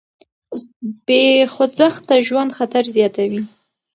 بې خوځښته ژوند خطر زیاتوي.